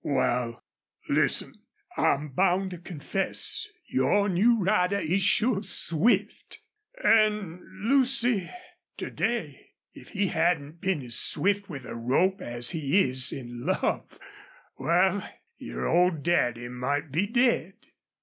"Wal, listen. I'm bound to confess your new rider is sure swift. An', Lucy, to day if he hadn't been as swift with a rope as he is in love wal, your old daddy might be dead!"